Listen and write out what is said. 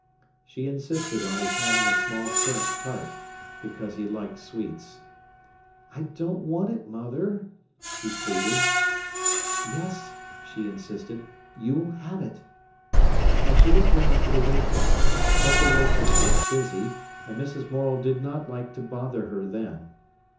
She insisted on his having a small currant tart, because he liked sweets. "I don't want it, mother," he pleaded. "Yes," she insisted; "you'll have it." And she looked round for the waitress. But the waitress was busy, and Mrs. Morel did not like to bother her then.